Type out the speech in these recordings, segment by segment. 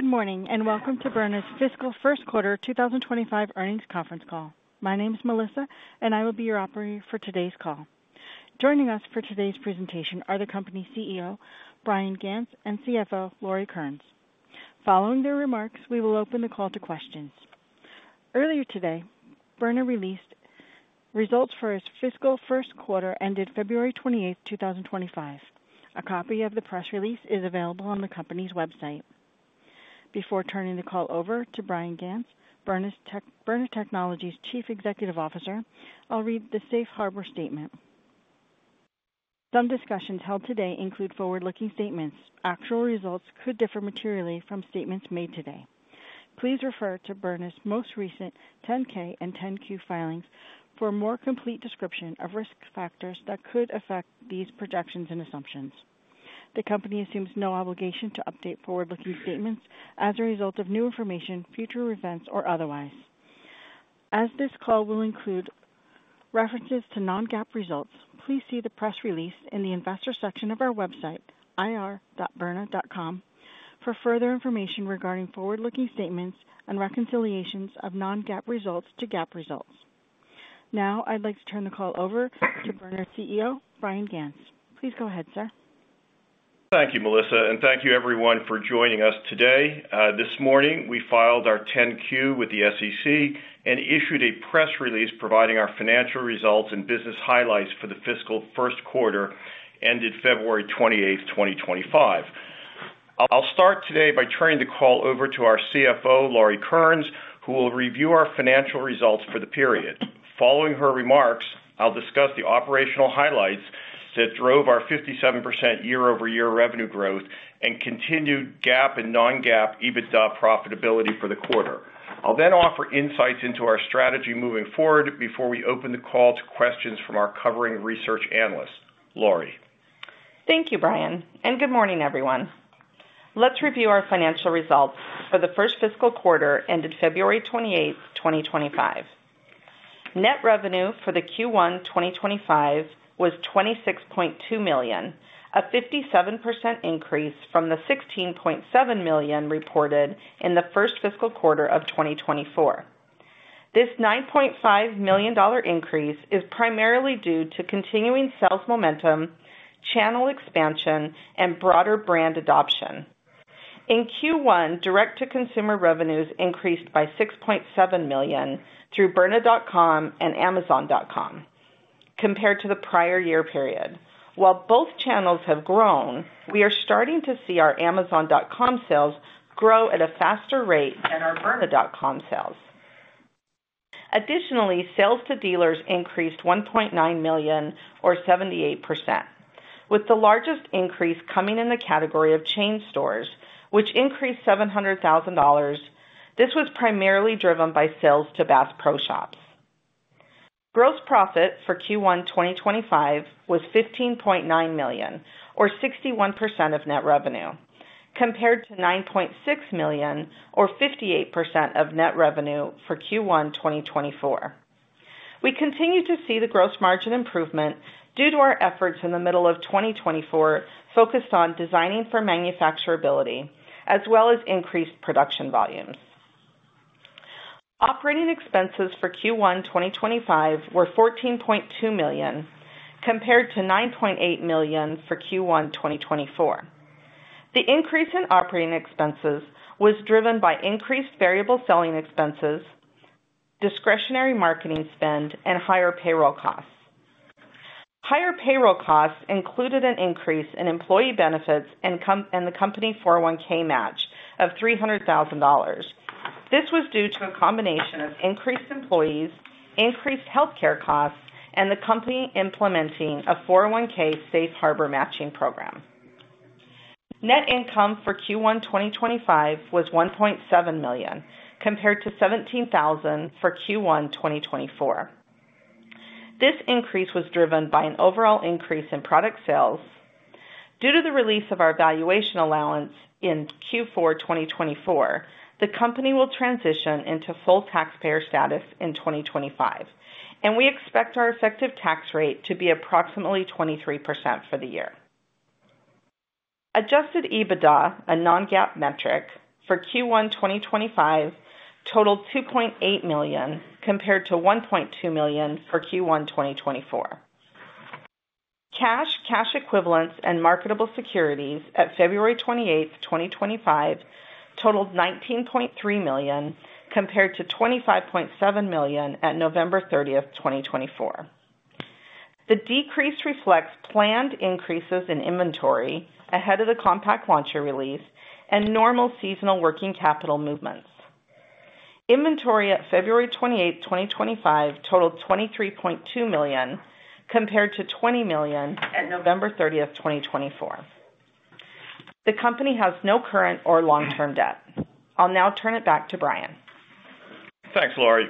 Good morning and welcome to Byrna's Fiscal First Quarter 2025 Earnings Conference Call. My name is Melissa, and I will be your operator for today's call. Joining us for today's presentation are the company CEO Bryan Ganz and CFO Lauri Kearnes. Following their remarks, we will open the call to questions. Earlier today, Byrna released results for its Fiscal First Quarter ended February 28, 2025. A copy of the press release is available on the company's website. Before turning the call over to Bryan Ganz, Byrna Technologies' Chief Executive Officer, I'll read the Safe Harbor Statement. Some discussions held today include forward-looking statements. Actual results could differ materially from statements made today. Please refer to Byrna's most recent 10-K and 10-Q filings for a more complete description of risk factors that could affect these projections and assumptions. The company assumes no obligation to update forward-looking statements as a result of new information, future events, or otherwise. As this call will include references to non-GAAP results, please see the press release in the investor section of our website, ir.byrna.com, for further information regarding forward-looking statements and reconciliations of non-GAAP results to GAAP results. Now, I'd like to turn the call over to Byrna's CEO, Bryan Ganz. Please go ahead, sir. Thank you, Melissa, and thank you, everyone, for joining us today. This morning, we filed our 10-Q with the SEC and issued a press release providing our financial results and business highlights for the Fiscal First Quarter ended February 28, 2025. I'll start today by turning the call over to our CFO, Lauri Kearnes, who will review our financial results for the period. Following her remarks, I'll discuss the operational highlights that drove our 57% year-over-year revenue growth and continued GAAP and non-GAAP EBITDA profitability for the quarter. I'll then offer insights into our strategy moving forward before we open the call to questions from our covering research analyst, Lauri. Thank you, Bryan, and good morning, everyone. Let's review our financial results for the first fiscal quarter ended February 28, 2025. Net revenue for Q1 2025 was $26.2 million, a 57% increase from the $16.7 million reported in the first fiscal quarter of 2024. This $9.5 million increase is primarily due to continuing sales momentum, channel expansion, and broader brand adoption. In Q1, direct-to-consumer revenues increased by $6.7 million through byrna.com and Amazon.com compared to the prior year period. While both channels have grown, we are starting to see our Amazon.com sales grow at a faster rate than our byrna.com sales. Additionally, sales to dealers increased $1.9 million, or 78%, with the largest increase coming in the category of chain stores, which increased $700,000. This was primarily driven by sales to Bass Pro Shops. Gross profit for Q1, 2025, was $15.9 million, or 61% of net revenue, compared to $9.6 million, or 58% of net revenue for Q1, 2024. We continue to see the gross margin improvement due to our efforts in the middle of 2024 focused on designing for manufacturability, as well as increased production volumes. Operating expenses for Q1, 2025, were $14.2 million, compared to $9.8 million for Q1, 2024. The increase in operating expenses was driven by increased variable selling expenses, discretionary marketing spend, and higher payroll costs. Higher payroll costs included an increase in employee benefits and the company 401(k) match of $300,000. This was due to a combination of increased employees, increased healthcare costs, and the company implementing a 401(k) Safe Harbor matching program. Net income for Q1, 2025, was $1.7 million, compared to $17,000 for Q1, 2024. This increase was driven by an overall increase in product sales. Due to the release of our valuation allowance in Q4, 2024, the company will transition into full taxpayer status in 2025, and we expect our effective tax rate to be approximately 23% for the year. Adjusted EBITDA, a non-GAAP metric for Q1, 2025, totaled $2.8 million, compared to $1.2 million for Q1, 2024. Cash, cash equivalents, and marketable securities at February 28, 2025, totaled $19.3 million, compared to $25.7 million at November 30, 2024. The decrease reflects planned increases in inventory ahead of the Compact Launcher release and normal seasonal working capital movements. Inventory at February 28, 2025, totaled $23.2 million, compared to $20 million at November 30, 2024. The company has no current or long-term debt. I'll now turn it back to Bryan. Thanks, Lauri.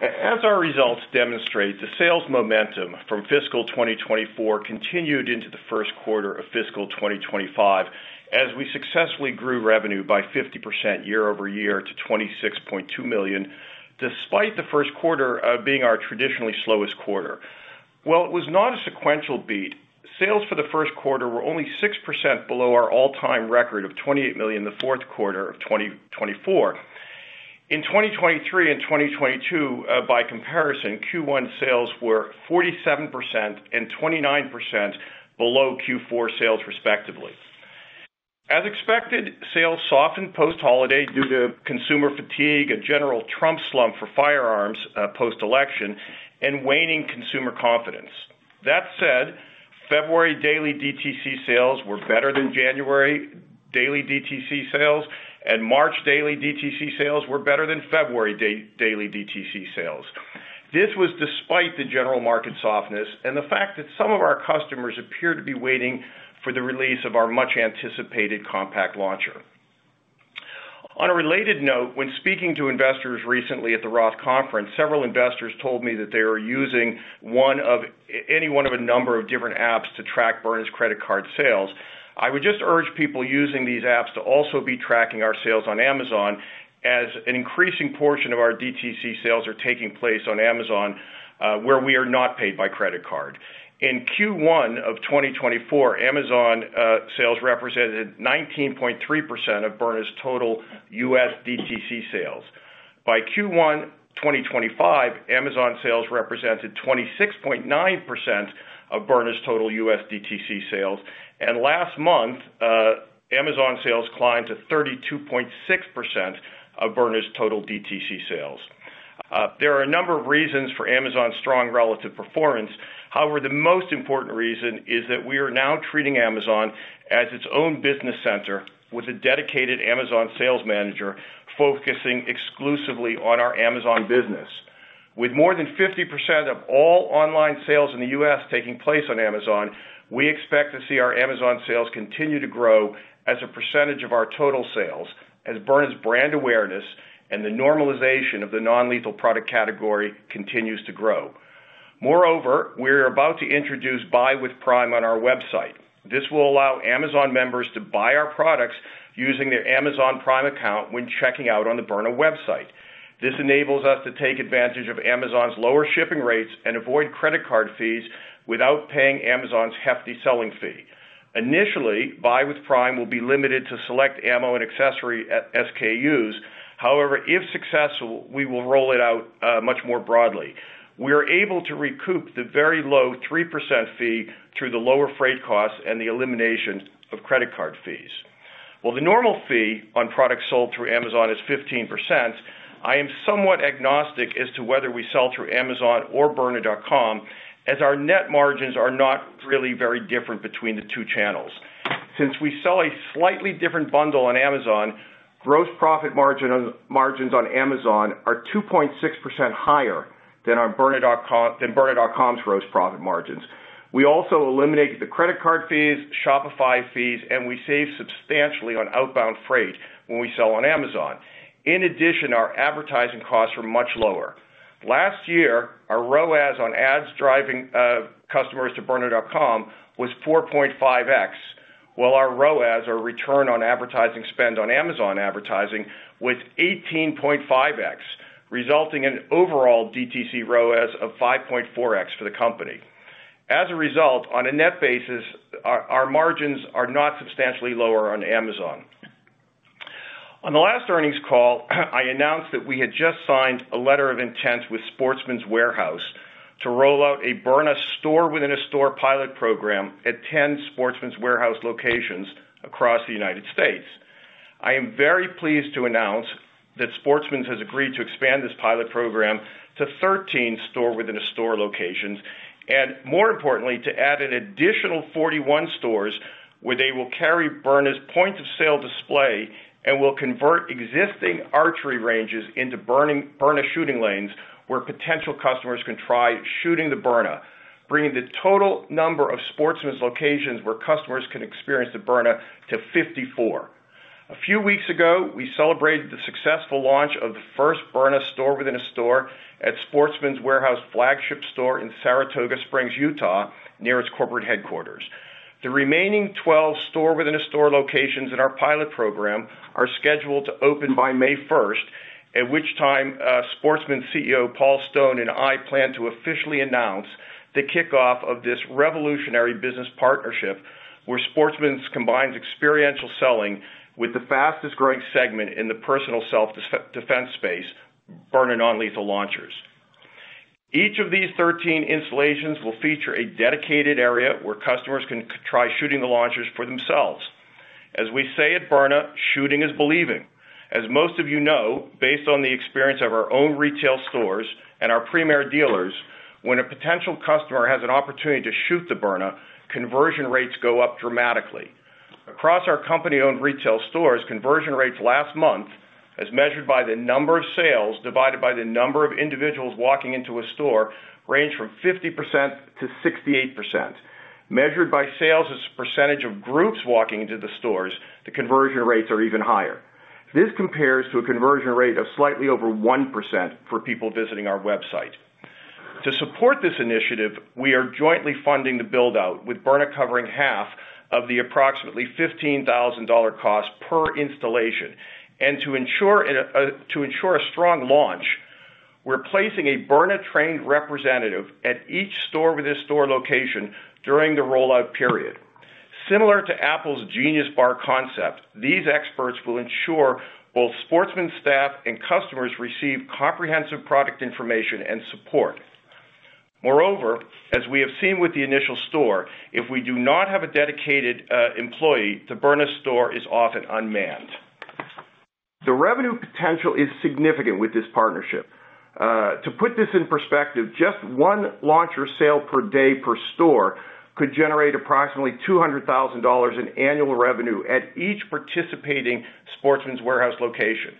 As our results demonstrate, the sales momentum from Fiscal 2024 continued into the first quarter of Fiscal 2025 as we successfully grew revenue by 50% year-over-year to $26.2 million, despite the first quarter being our traditionally slowest quarter. It was not a sequential beat. Sales for the first quarter were only 6% below our all-time record of $28 million in the fourth quarter of 2024. In 2023 and 2022, by comparison, Q1 sales were 47% and 29% below Q4 sales, respectively. As expected, sales softened post-holiday due to consumer fatigue, a general Trump slump for firearms post-election, and waning consumer confidence. That said, February daily DTC sales were better than January daily DTC sales, and March daily DTC sales were better than February daily DTC sales. This was despite the general market softness and the fact that some of our customers appear to be waiting for the release of our much-anticipated Compact Launcher. On a related note, when speaking to investors recently at the ROTH Conference, several investors told me that they are using any one of a number of different apps to track Byrna's credit card sales. I would just urge people using these apps to also be tracking our sales on Amazon, as an increasing portion of our DTC sales are taking place on Amazon, where we are not paid by credit card. In Q1 of 2024, Amazon sales represented 19.3% of Byrna's total U.S. DTC sales. By Q1, 2025, Amazon sales represented 26.9% of Byrna's total U.S. DTC sales, and last month, Amazon sales climbed to 32.6% of Byrna's total DTC sales. There are a number of reasons for Amazon's strong relative performance. However, the most important reason is that we are now treating Amazon as its own business center with a dedicated Amazon sales manager focusing exclusively on our Amazon business. With more than 50% of all online sales in the U.S. taking place on Amazon, we expect to see our Amazon sales continue to grow as a percentage of our total sales as Byrna's brand awareness and the normalization of the non-lethal product category continues to grow. Moreover, we are about to introduce Buy with Prime on our website. This will allow Amazon members to buy our products using their Amazon Prime account when checking out on the Byrna website. This enables us to take advantage of Amazon's lower shipping rates and avoid credit card fees without paying Amazon's hefty selling fee. Initially, Buy with Prime will be limited to select ammo and accessory SKUs. However, if successful, we will roll it out much more broadly. We are able to recoup the very low 3% fee through the lower freight costs and the elimination of credit card fees. While the normal fee on products sold through Amazon is 15%, I am somewhat agnostic as to whether we sell through Amazon or byrna.com, as our net margins are not really very different between the two channels. Since we sell a slightly different bundle on Amazon, gross profit margins on Amazon are 2.6% higher than byrna.com's gross profit margins. We also eliminated the credit card fees, Shopify fees, and we save substantially on outbound freight when we sell on Amazon. In addition, our advertising costs are much lower. Last year, our ROAS on ads driving customers to byrna.com was 4.5x, while our ROAS, our return on advertising spend on Amazon advertising, was 18.5x, resulting in an overall DTC ROAS of 5.4x for the company. As a result, on a net basis, our margins are not substantially lower on Amazon. On the last earnings call, I announced that we had just signed a letter of intent with Sportsman's Warehouse to roll out a Byrna Store Within a Store pilot program at 10 Sportsman's Warehouse locations across the United States. I am very pleased to announce that Sportsman's has agreed to expand this pilot program to 13 Store Within a Store locations and, more importantly, to add an additional 41 stores where they will carry Byrna's point-of-sale display and will convert existing archery ranges into Byrna shooting lanes where potential customers can try shooting the Byrna, bringing the total number of Sportsman's locations where customers can experience the Byrna to 54. A few weeks ago, we celebrated the successful launch of the first Byrna Store Within a Store at Sportsman's Warehouse flagship store in Saratoga Springs, Utah, near its corporate headquarters. The remaining 12 Store Within a Store locations in our pilot program are scheduled to open by May 1, at which time Sportsman's CEO Paul Stone and I plan to officially announce the kickoff of this revolutionary business partnership where Sportsman's combines experiential selling with the fastest-growing segment in the personal self-defense space, Byrna non-lethal launchers. Each of these 13 installations will feature a dedicated area where customers can try shooting the launchers for themselves. As we say at Byrna, shooting is believing. As most of you know, based on the experience of our own retail stores and our premier dealers, when a potential customer has an opportunity to shoot the Byrna, conversion rates go up dramatically. Across our company-owned retail stores, conversion rates last month, as measured by the number of sales divided by the number of individuals walking into a store, ranged from 50%-68%. Measured by sales as a percentage of groups walking into the stores, the conversion rates are even higher. This compares to a conversion rate of slightly over 1% for people visiting our website. To support this initiative, we are jointly funding the build-out, with Byrna covering half of the approximately $15,000 cost per installation. To ensure a strong launch, we are placing a Byrna-trained representative at each Store Within a Store location during the rollout period. Similar to Apple's Genius Bar concept, these experts will ensure both Sportsman's staff and customers receive comprehensive product information and support. Moreover, as we have seen with the initial store, if we do not have a dedicated employee, the Byrna store is often unmanned. The revenue potential is significant with this partnership. To put this in perspective, just one launcher sale per day per store could generate approximately $200,000 in annual revenue at each participating Sportsman's Warehouse location.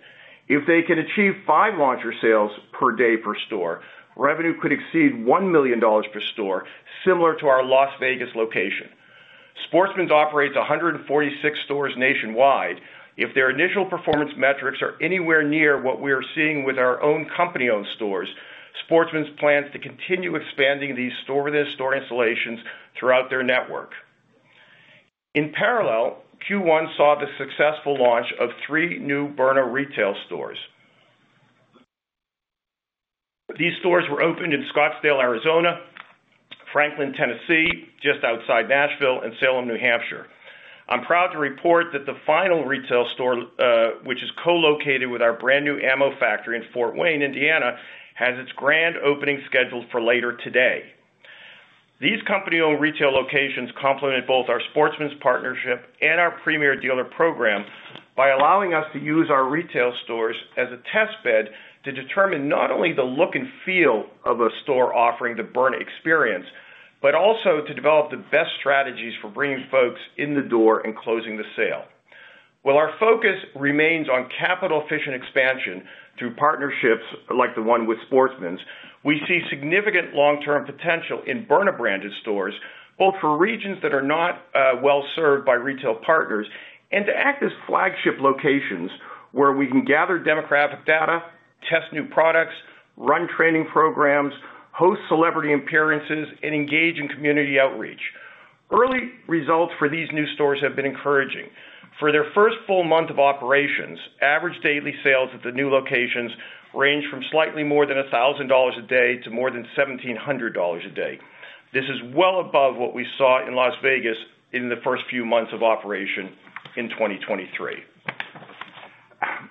If they can achieve five launcher sales per day per store, revenue could exceed $1 million per store, similar to our Las Vegas location. Sportsman's operates 146 stores nationwide. If their initial performance metrics are anywhere near what we are seeing with our own company-owned stores, Sportsman's plans to continue expanding these Store Within a Store installations throughout their network. In parallel, Q1 saw the successful launch of three new Byrna retail stores. These stores were opened in Scottsdale, Arizona; Franklin, Tennessee, just outside Nashville; and Salem, New Hampshire. I'm proud to report that the final retail store, which is co-located with our brand-new ammo factory in Fort Wayne, Indiana, has its grand opening scheduled for later today. These company-owned retail locations complement both our Sportsman's partnership and our Premier Dealer Program by allowing us to use our retail stores as a test bed to determine not only the look and feel of a store offering the Byrna experience, but also to develop the best strategies for bringing folks in the door and closing the sale. While our focus remains on capital-efficient expansion through partnerships like the one with Sportsman's, we see significant long-term potential in Byrna-branded stores, both for regions that are not well-served by retail partners and to act as flagship locations where we can gather demographic data, test new products, run training programs, host celebrity appearances, and engage in community outreach. Early results for these new stores have been encouraging. For their first full month of operations, average daily sales at the new locations ranged from slightly more than $1,000 a day to more than $1,700 a day. This is well above what we saw in Las Vegas in the first few months of operation in 2023.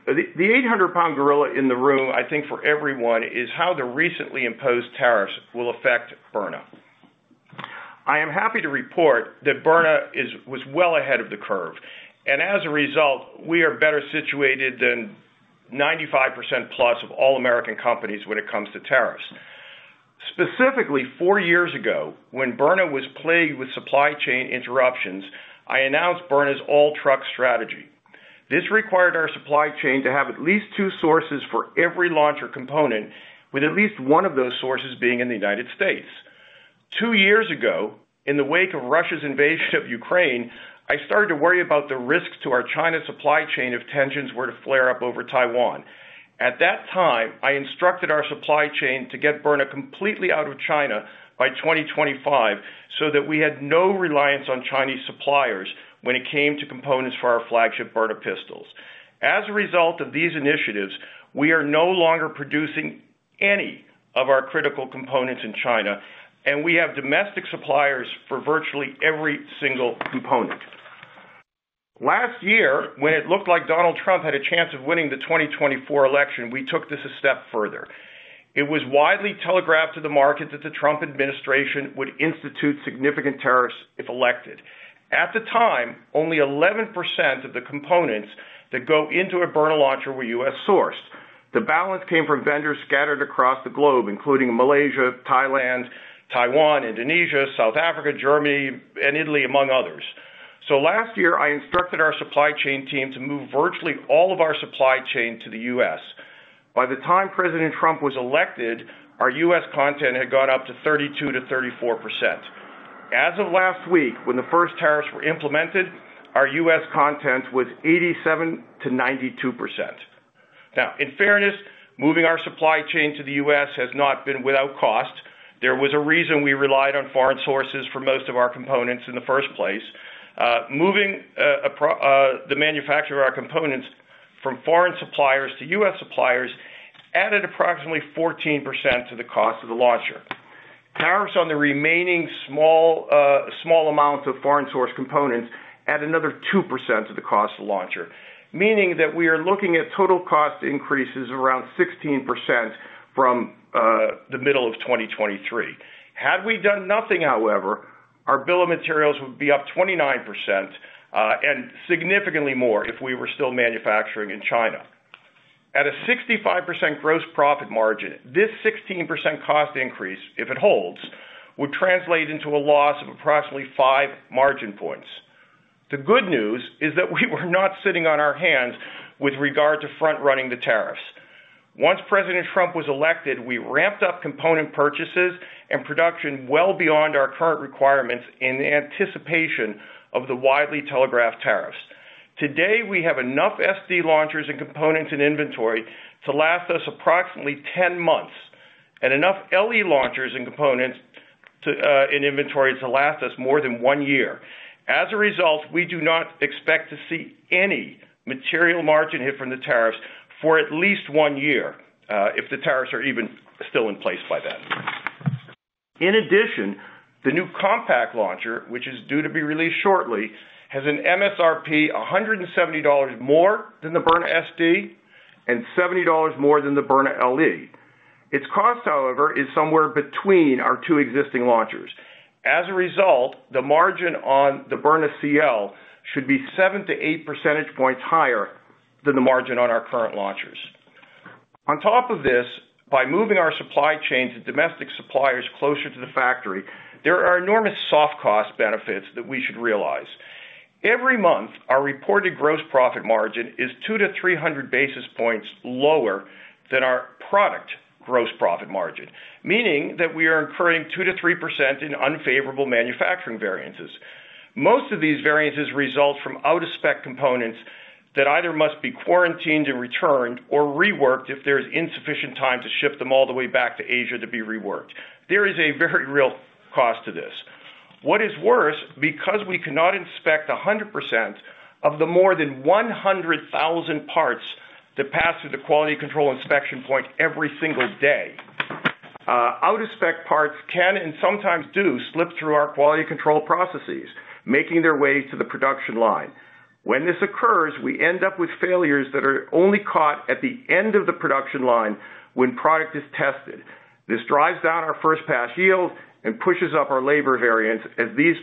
The 800-pound gorilla in the room, I think for everyone, is how the recently imposed tariffs will affect Byrna. I am happy to report that Byrna was well ahead of the curve. As a result, we are better situated than 95%+ of all American companies when it comes to tariffs. Specifically, four years ago, when Byrna was plagued with supply chain interruptions, I announced Byrna's all-truck strategy. This required our supply chain to have at least two sources for every launcher component, with at least one of those sources being in the United States. Two years ago, in the wake of Russia's invasion of Ukraine, I started to worry about the risks to our China supply chain if tensions were to flare up over Taiwan. At that time, I instructed our supply chain to get Byrna completely out of China by 2025 so that we had no reliance on Chinese suppliers when it came to components for our flagship Byrna pistols. As a result of these initiatives, we are no longer producing any of our critical components in China, and we have domestic suppliers for virtually every single component. Last year, when it looked like Donald Trump had a chance of winning the 2024 election, we took this a step further. It was widely telegraphed to the market that the Trump administration would institute significant tariffs if elected. At the time, only 11% of the components that go into a Byrna launcher were U.S. sourced. The balance came from vendors scattered across the globe, including Malaysia, Thailand, Taiwan, Indonesia, South Africa, Germany, and Italy, among others. Last year, I instructed our supply chain team to move virtually all of our supply chain to the U.S. By the time President Trump was elected, our U.S. content had gone up to 32%-34%. As of last week, when the first tariffs were implemented, our U.S. content was 87%-92%. Now, in fairness, moving our supply chain to the U.S. has not been without cost. There was a reason we relied on foreign sources for most of our components in the first place. Moving the manufacturing of our components from foreign suppliers to U.S. suppliers added approximately 14% to the cost of the launcher. Tariffs on the remaining small amounts of foreign-sourced components add another 2% to the cost of the launcher, meaning that we are looking at total cost increases of around 16% from the middle of 2023. Had we done nothing, however, our bill of materials would be up 29% and significantly more if we were still manufacturing in China. At a 65% gross profit margin, this 16% cost increase, if it holds, would translate into a loss of approximately five margin points. The good news is that we were not sitting on our hands with regard to front-running the tariffs. Once President Trump was elected, we ramped up component purchases and production well beyond our current requirements in anticipation of the widely telegraphed tariffs. Today, we have enough SD launchers and components in inventory to last us approximately 10 months and enough LE launchers and components in inventory to last us more than one year. As a result, we do not expect to see any material margin hit from the tariffs for at least one year, if the tariffs are even still in place by then. In addition, the new Compact Launcher, which is due to be released shortly, has an MSRP $170 more than the Byrna SD and $70 more than the Byrna LE. Its cost, however, is somewhere between our two existing launchers. As a result, the margin on the Byrna CL should be 7 percentage points-8 percentage points higher than the margin on our current launchers. On top of this, by moving our supply chain to domestic suppliers closer to the factory, there are enormous soft cost benefits that we should realize. Every month, our reported gross profit margin is 200 basis points-300 basis points lower than our product gross profit margin, meaning that we are incurring 2%-3% in unfavorable manufacturing variances. Most of these variances result from out-of-spec components that either must be quarantined and returned or reworked if there is insufficient time to ship them all the way back to Asia to be reworked. There is a very real cost to this. What is worse, because we cannot inspect 100% of the more than 100,000 parts that pass through the quality control inspection point every single day, out-of-spec parts can and sometimes do slip through our quality control processes, making their way to the production line. When this occurs, we end up with failures that are only caught at the end of the production line when product is tested. This drives down our first-pass yield and pushes up our labor variance, as these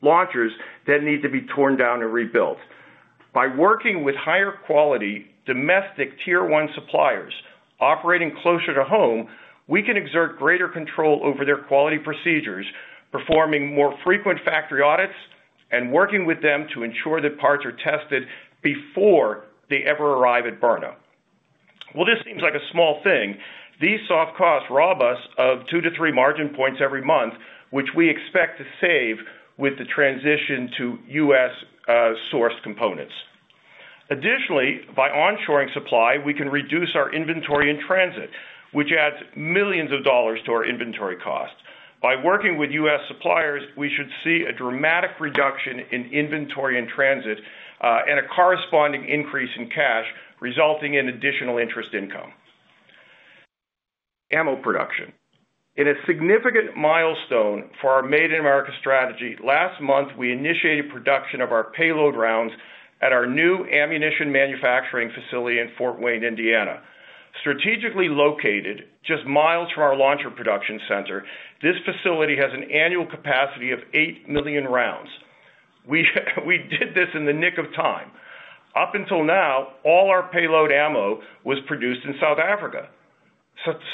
launchers then need to be torn down and rebuilt. By working with higher-quality domestic tier-one suppliers operating closer to home, we can exert greater control over their quality procedures, performing more frequent factory audits and working with them to ensure that parts are tested before they ever arrive at Byrna. While this seems like a small thing, these soft costs rob us of 2-3 margin points every month, which we expect to save with the transition to U.S. sourced components. Additionally, by onshoring supply, we can reduce our inventory in transit, which adds millions of dollars to our inventory cost. By working with U.S. Suppliers, we should see a dramatic reduction in inventory in transit and a corresponding increase in cash, resulting in additional interest income. Ammo production. In a significant milestone for our Made in America strategy, last month, we initiated production of our payload rounds at our new ammunition manufacturing facility in Fort Wayne, Indiana. Strategically located just miles from our launcher production center, this facility has an annual capacity of 8 million rounds. We did this in the nick of time. Up until now, all our payload ammo was produced in South Africa.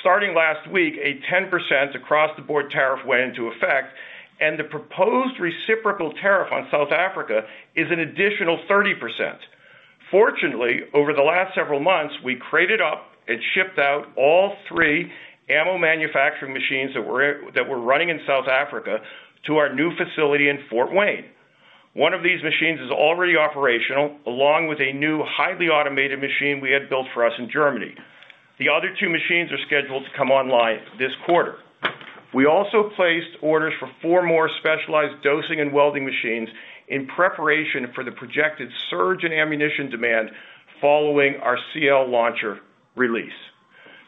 Starting last week, a 10% across-the-board tariff went into effect, and the proposed reciprocal tariff on South Africa is an additional 30%. Fortunately, over the last several months, we crated up and shipped out all three ammo manufacturing machines that were running in South Africa to our new facility in Fort Wayne. One of these machines is already operational, along with a new highly automated machine we had built for us in Germany. The other two machines are scheduled to come online this quarter. We also placed orders for four more specialized dosing and welding machines in preparation for the projected surge in ammunition demand following our CL launcher release.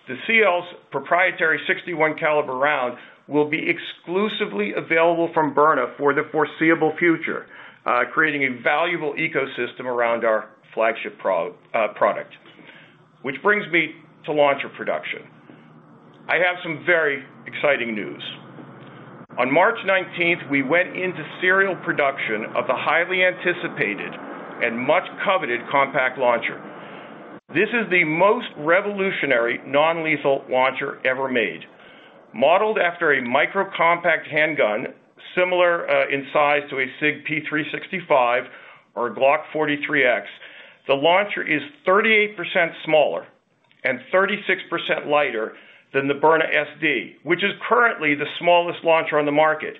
The CL's proprietary .61-caliber round will be exclusively available from Byrna for the foreseeable future, creating a valuable ecosystem around our flagship product. Which brings me to launcher production. I have some very exciting news. On March 19, we went into serial production of the highly anticipated and much-coveted Compact Launcher. This is the most revolutionary non-lethal launcher ever made. Modeled after a micro-compact handgun, similar in size to a SIG P365 or Glock 43X, the launcher is 38% smaller and 36% lighter than the Byrna SD, which is currently the smallest launcher on the market.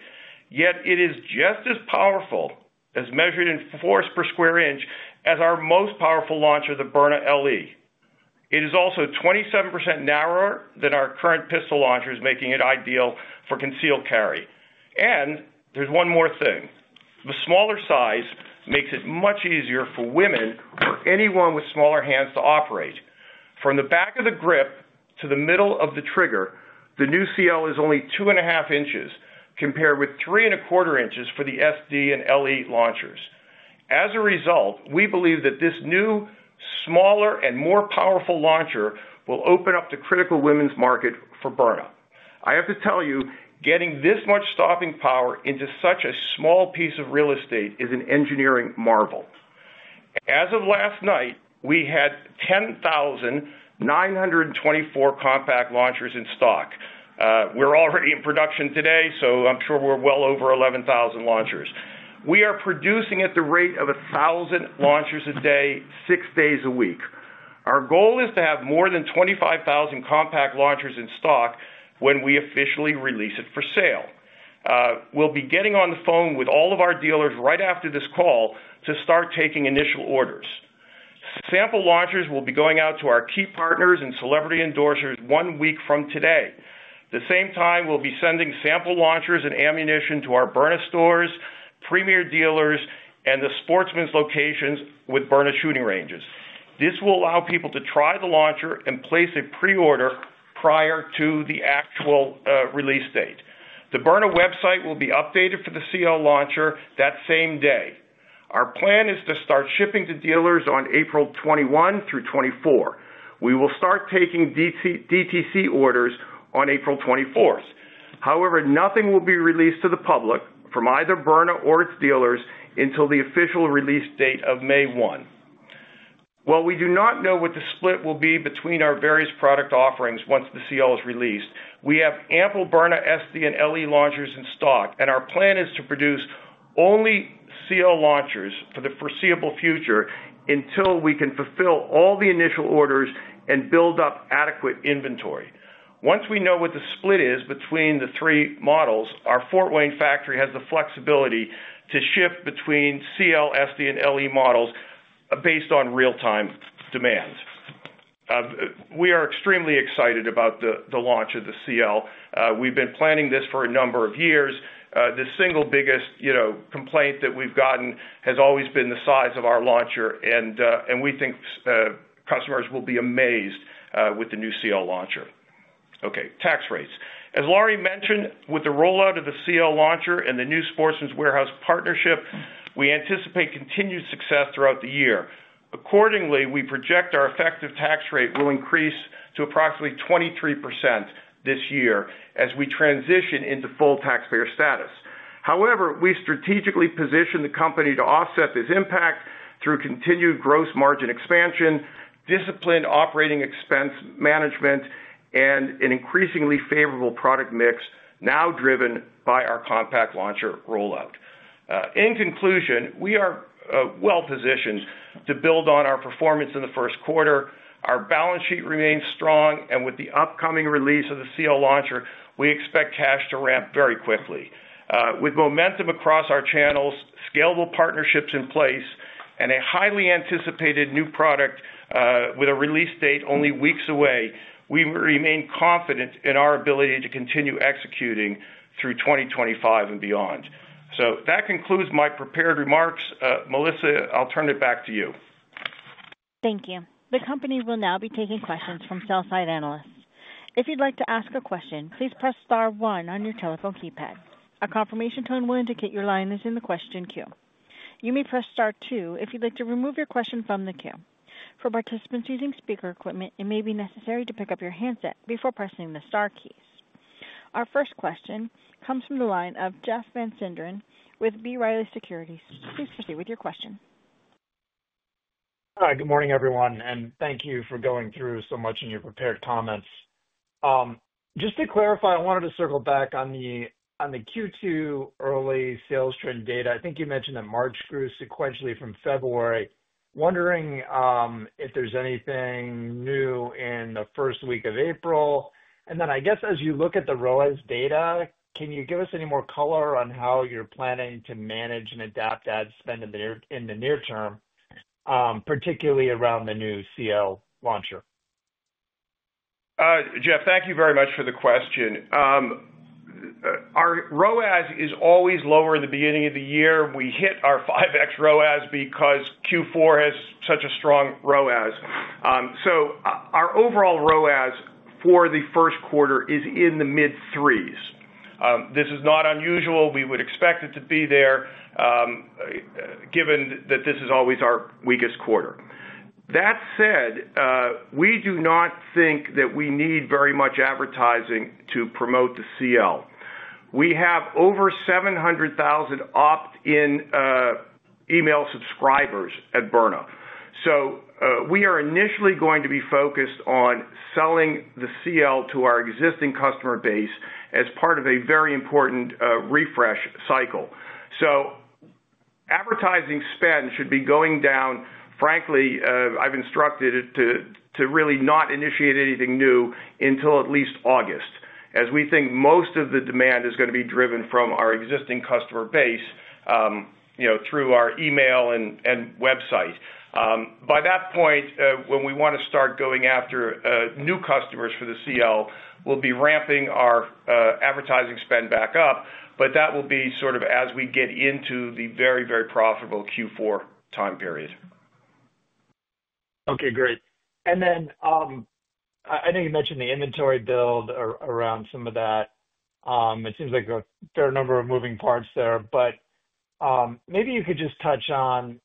Yet it is just as powerful, as measured in force per square inch, as our most powerful launcher, the Byrna LE. It is also 27% narrower than our current pistol launchers, making it ideal for concealed carry. There is one more thing. The smaller size makes it much easier for women or anyone with smaller hands to operate. From the back of the grip to the middle of the trigger, the new CL is only 2 and a half inches, compared with 3 and a quarter inches for the SD and LE launchers. As a result, we believe that this new, smaller, and more powerful launcher will open up the critical women's market for Byrna. I have to tell you, getting this much stopping power into such a small piece of real estate is an engineering marvel. As of last night, we had 10,924 Compact launchers in stock. We're already in production today, so I'm sure we're well over 11,000 launchers. We are producing at the rate of 1,000 launchers a day, six days a week. Our goal is to have more than 25,000 Compact launchers in stock when we officially release it for sale. We'll be getting on the phone with all of our dealers right after this call to start taking initial orders. Sample launchers will be going out to our key partners and celebrity endorsers one week from today. At the same time, we'll be sending sample launchers and ammunition to our Byrna stores, Premier dealers, and the Sportsman's locations with Byrna shooting ranges. This will allow people to try the launcher and place a pre-order prior to the actual release date. The Byrna website will be updated for the CL launcher that same day. Our plan is to start shipping to dealers on April 21-24. We will start taking DTC orders on April 24. However, nothing will be released to the public from either Byrna or its dealers until the official release date of May 1. While we do not know what the split will be between our various product offerings once the CL is released, we have ample Byrna SD and LE launchers in stock, and our plan is to produce only CL launchers for the foreseeable future until we can fulfill all the initial orders and build up adequate inventory. Once we know what the split is between the three models, our Fort Wayne factory has the flexibility to shift between CL, SD, and LE models based on real-time demands. We are extremely excited about the launch of the CL. We've been planning this for a number of years. The single biggest complaint that we've gotten has always been the size of our launcher, and we think customers will be amazed with the new CL launcher. Okay, tax rates. As Lauri mentioned, with the rollout of the CL launcher and the new Sportsman's Warehouse partnership, we anticipate continued success throughout the year. Accordingly, we project our effective tax rate will increase to approximately 23% this year as we transition into full taxpayer status. However, we strategically position the company to offset this impact through continued gross margin expansion, disciplined operating expense management, and an increasingly favorable product mix now driven by our Compact launcher rollout. In conclusion, we are well positioned to build on our performance in the first quarter. Our balance sheet remains strong, and with the upcoming release of the CL launcher, we expect cash to ramp very quickly. With momentum across our channels, scalable partnerships in place, and a highly anticipated new product with a release date only weeks away, we remain confident in our ability to continue executing through 2025 and beyond. That concludes my prepared remarks. Melissa, I'll turn it back to you. Thank you. The company will now be taking questions from sell-side analysts. If you'd like to ask a question, please press star one on your telephone keypad. A confirmation tone will indicate your line is in the question queue. You may press star two if you'd like to remove your question from the queue. For participants using speaker equipment, it may be necessary to pick up your handset before pressing the star keys. Our first question comes from the line of Jeff Van Sinderen with B. Riley Securities. Please proceed with your question. Hi, good morning, everyone, and thank you for going through so much in your prepared comments. Just to clarify, I wanted to circle back on the Q2 early sales trend data. I think you mentioned that March grew sequentially from February. Wondering if there's anything new in the first week of April. As you look at the ROAS data, can you give us any more color on how you're planning to manage and adapt that spend in the near term, particularly around the new CL launcher? Jeff, thank you very much for the question. Our ROAS is always lower in the beginning of the year. We hit our 5x ROAS because Q4 has such a strong ROAS. Our overall ROAS for the first quarter is in the mid-threes. This is not unusual. We would expect it to be there, given that this is always our weakest quarter. That said, we do not think that we need very much advertising to promote the CL. We have over 700,000 opt-in email subscribers at Byrna. We are initially going to be focused on selling the CL to our existing customer base as part of a very important refresh cycle. Advertising spend should be going down. Frankly, I've instructed it to really not initiate anything new until at least August, as we think most of the demand is going to be driven from our existing customer base through our email and website. By that point, when we want to start going after new customers for the CL, we'll be ramping our advertising spend back up, but that will be sort of as we get into the very, very profitable Q4 time period. Okay, great. I know you mentioned the inventory build around some of that. It seems like a fair number of moving parts there, but maybe you could just touch on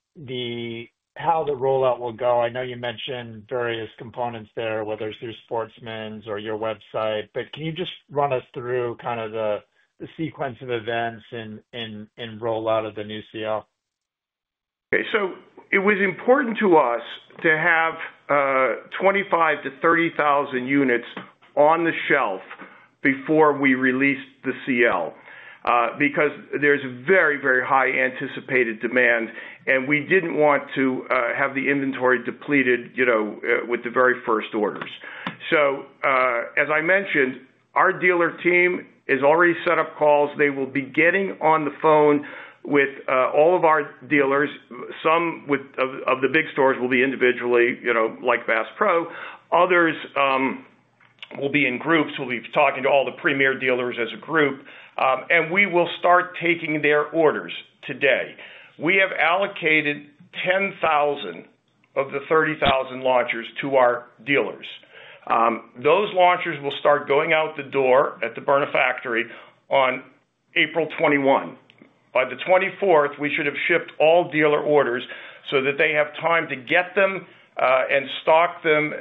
how the rollout will go. I know you mentioned various components there, whether it's through Sportsman's or your website, but can you just run us through kind of the sequence of events in rollout of the new CL? Okay, it was important to us to have 25,000 units-30,000 units on the shelf before we released the CL because there's very, very high anticipated demand, and we didn't want to have the inventory depleted with the very first orders. As I mentioned, our dealer team has already set up calls. They will be getting on the phone with all of our dealers. Some of the big stores will be individually, like Bass Pro Shops. Others will be in groups. We'll be talking to all the Premier dealers as a group, and we will start taking their orders today. We have allocated 10,000 of the 30,000 launchers to our dealers. Those launchers will start going out the door at the Byrna factory on April 21. By the 24th, we should have shipped all dealer orders so that they have time to get them and stock them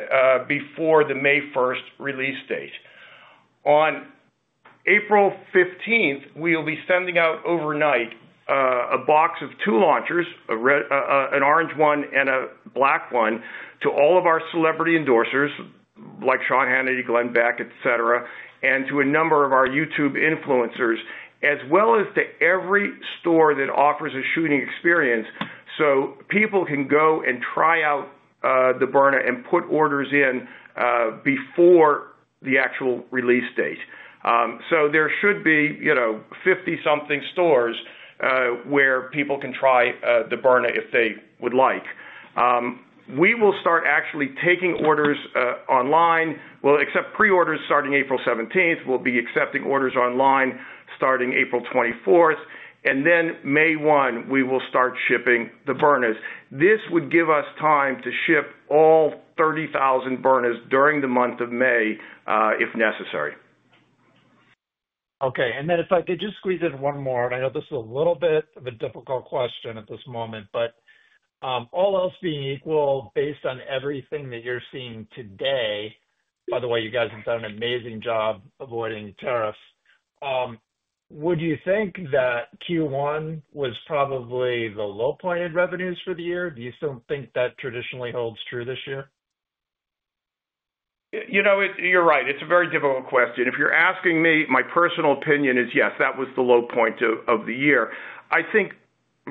before the May 1 release date. On April 15, we will be sending out overnight a box of two launchers, an orange one and a black one, to all of our celebrity endorsers like Sean Hannity, Glenn Beck, etc., and to a number of our YouTube influencers, as well as to every store that offers a shooting experience so people can go and try out the Byrna and put orders in before the actual release date. There should be 50-something stores where people can try the Byrna if they would like. We will start actually taking orders online. We'll accept pre-orders starting April 17. We'll be accepting orders online starting April 24. May 1, we will start shipping the Byrnas. This would give us time to ship all 30,000 Byrnas during the month of May if necessary. Okay, and if I could just squeeze in one more, and I know this is a little bit of a difficult question at this moment, but all else being equal, based on everything that you're seeing today—by the way, you guys have done an amazing job avoiding tariffs—would you think that Q1 was probably the low point in revenues for the year? Do you still think that traditionally holds true this year? You know, you're right. It's a very difficult question. If you're asking me, my personal opinion is yes, that was the low point of the year. I think,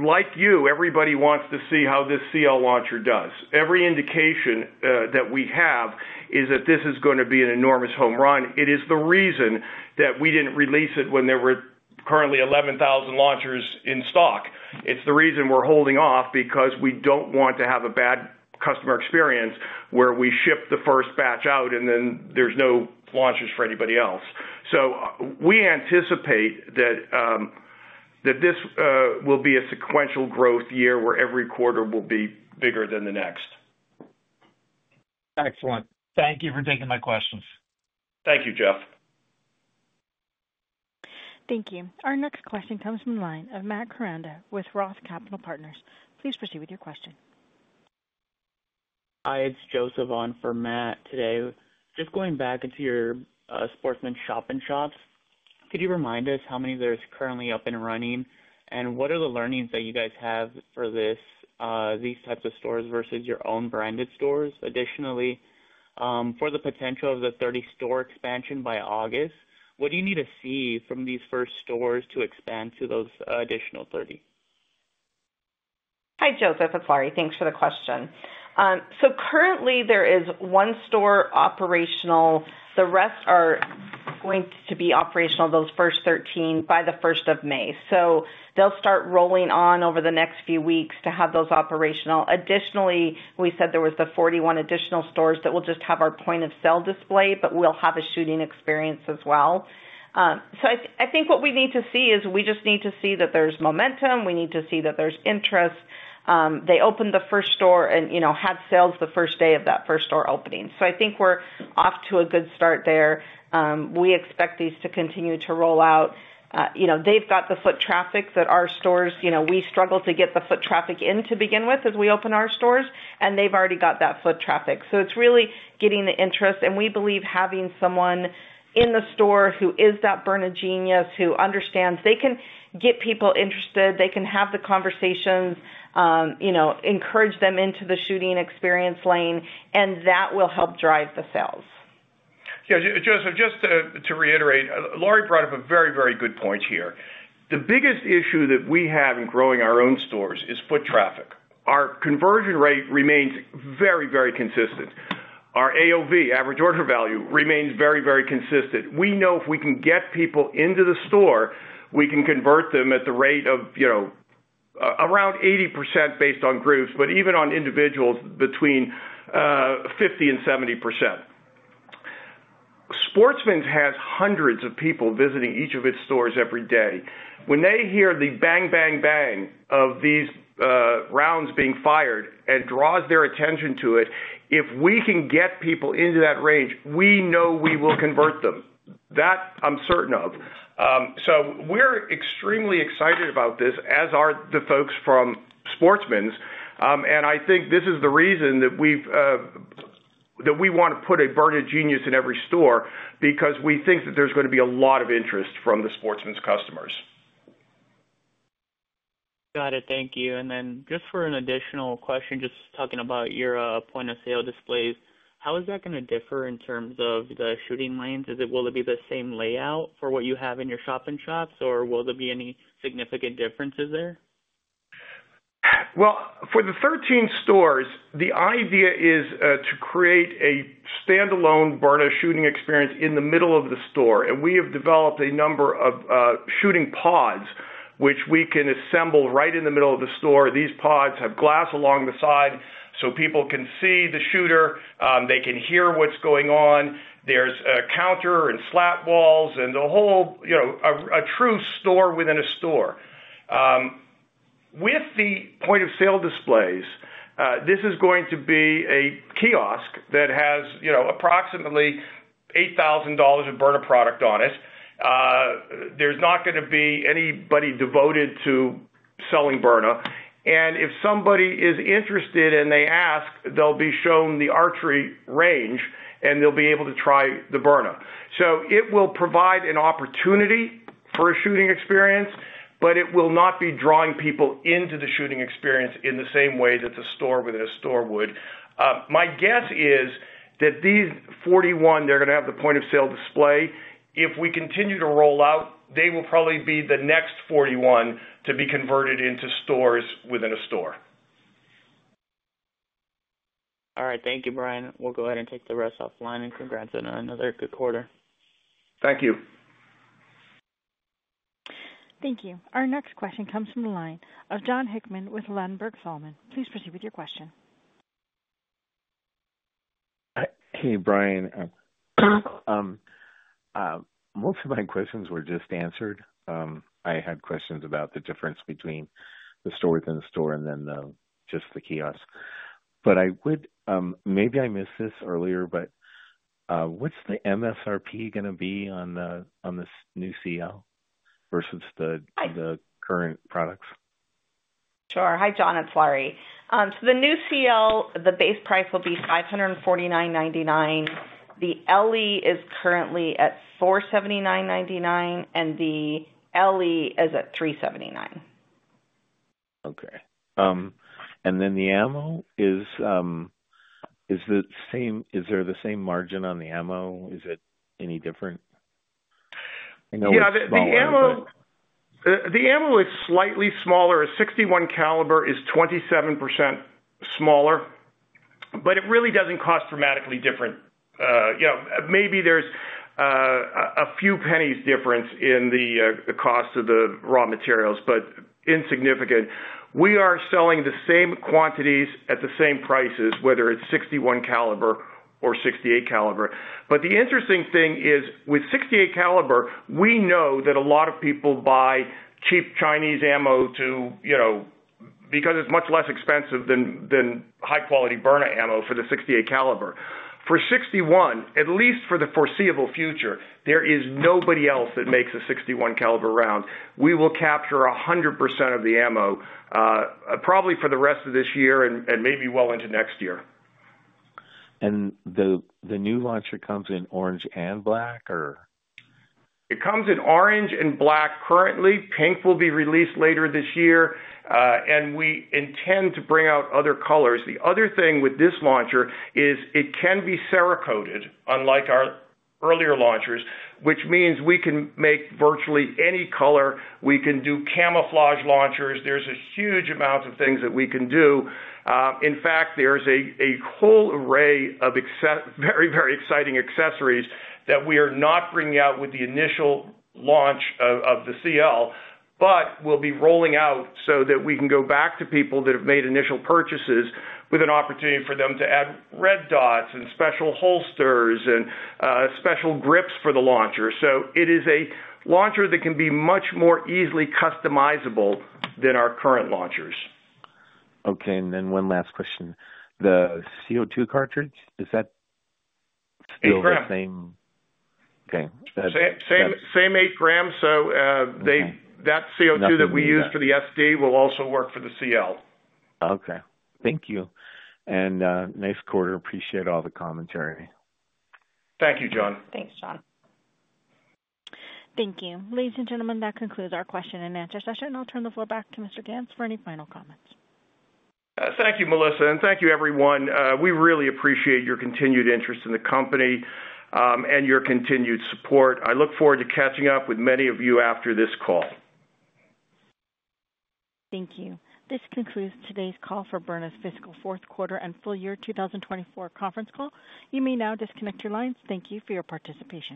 like you, everybody wants to see how this CL launcher does. Every indication that we have is that this is going to be an enormous home run. It is the reason that we didn't release it when there were currently 11,000 launchers in stock. It's the reason we're holding off because we don't want to have a bad customer experience where we ship the first batch out and then there's no launchers for anybody else. We anticipate that this will be a sequential growth year where every quarter will be bigger than the next. Excellent. Thank you for taking my questions. Thank you, Jeff. Thank you. Our next question comes from the line of Matt Koranda with ROTH Capital Partners. Please proceed with your question. Hi, it's Joseph on for Matt today. Just going back into your Sportsman's shop-in-shops, could you remind us how many there are currently up and running and what are the learnings that you guys have for these types of stores versus your own branded stores? Additionally, for the potential of the 30-store expansion by August, what do you need to see from these first stores to expand to those additional 30? Hi, Joseph. I'm sorry. Thanks for the question. Currently, there is one store operational. The rest are going to be operational, those first 13, by the 1st of May. They'll start rolling on over the next few weeks to have those operational. Additionally, we said there were the 41 additional stores that will just have our point of sale display, but will have a shooting experience as well. I think what we need to see is we just need to see that there's momentum. We need to see that there's interest. They opened the first store and had sales the first day of that first store opening. I think we're off to a good start there. We expect these to continue to roll out. They've got the foot traffic that our stores—we struggle to get the foot traffic in to begin with as we open our stores, and they've already got that foot traffic. It's really getting the interest, and we believe having someone in the store who is that Byrna Genius who understands, they can get people interested, they can have the conversations, encourage them into the shooting experience lane, and that will help drive the sales. Yeah, Joseph, just to reiterate, Lauri brought up a very, very good point here. The biggest issue that we have in growing our own stores is foot traffic. Our conversion rate remains very, very consistent. Our AOV, average order value, remains very, very consistent. We know if we can get people into the store, we can convert them at the rate of around 80% based on groups, but even on individuals between 50%-70%. Sportsman's has hundreds of people visiting each of its stores every day. When they hear the bang, bang, bang of these rounds being fired and it draws their attention to it, if we can get people into that range, we know we will convert them. That I'm certain of. We are extremely excited about this, as are the folks from Sportsman's. I think this is the reason that we want to put a Byrna Genius in every store because we think that there's going to be a lot of interest from the Sportsman's customers. Got it. Thank you. Just for an additional question, just talking about your point of sale displays, how is that going to differ in terms of the shooting lanes? Will it be the same layout for what you have in your shop in shops, or will there be any significant differences there? For the 13 stores, the idea is to create a standalone Byrna shooting experience in the middle of the store. We have developed a number of shooting pods which we can assemble right in the middle of the store. These pods have glass along the side so people can see the shooter. They can hear what's going on. There's a counter and slat walls and a whole true store within a store. With the point of sale displays, this is going to be a kiosk that has approximately $8,000 of Byrna product on it. There's not going to be anybody devoted to selling Byrna. If somebody is interested and they ask, they'll be shown the archery range, and they'll be able to try the Byrna. It will provide an opportunity for a shooting experience, but it will not be drawing people into the shooting experience in the same way that the store within a store would. My guess is that these 41, they're going to have the point of sale display. If we continue to roll out, they will probably be the next 41 to be converted into stores within a store. All right. Thank you, Bryan. We'll go ahead and take the rest offline and congrats on another good quarter. Thank you. Thank you. Our next question comes from the line of Jon Hickman with Ladenburg Thalmann. Please proceed with your question. Hey, Bryan. Most of my questions were just answered. I had questions about the difference between the store within the store and then just the kiosk. Maybe I missed this earlier, but what's the MSRP going to be on this new CL versus the current products? Sure. Hi, Jon. It's Lauri. The new CL, the base price will be $549.99. The LE is currently at $479.99, and the SD is at $379. Okay. And then the ammo, is there the same margin on the ammo? Is it any different? Yeah. The ammo is slightly smaller. A .61-caliber is 27% smaller, but it really doesn't cost dramatically different. Maybe there's a few pennies difference in the cost of the raw materials, but insignificant. We are selling the same quantities at the same prices, whether it's .61 caliber or .68 caliber. The interesting thing is, with .68 caliber, we know that a lot of people buy cheap Chinese ammo because it's much less expensive than high-quality Byrna ammo for the .68 caliber. For .61, at least for the foreseeable future, there is nobody else that makes a .61 caliber round. We will capture 100% of the ammo, probably for the rest of this year and maybe well into next year. The new launcher comes in orange and black, or? It comes in orange and black currently. Pink will be released later this year, and we intend to bring out other colors. The other thing with this launcher is it can be Cerakoted, unlike our earlier launchers, which means we can make virtually any color. We can do camouflage launchers. There's a huge amount of things that we can do. In fact, there's a whole array of very, very exciting accessories that we are not bringing out with the initial launch of the CL, but we'll be rolling out so that we can go back to people that have made initial purchases with an opportunity for them to add red dots and special holsters and special grips for the launcher. It is a launcher that can be much more easily customizable than our current launchers. Okay. One last question. The CO2 cartridge, is that still the same? It's correct. Same 8 g. That CO2 that we use for the SD will also work for the CL. Okay. Thank you. Nice quarter. Appreciate all the commentary. Thank you, Jon. Thanks, Jon. Thank you. Ladies and gentlemen, that concludes our question and answer session. I'll turn the floor back to Mr. Ganz for any final comments. Thank you, Melissa, and thank you, everyone. We really appreciate your continued interest in the company and your continued support. I look forward to catching up with many of you after this call. Thank you. This concludes today's call for Byrna's Fiscal First Quarter 2025 conference call. You may now disconnect your lines. Thank you for your participation.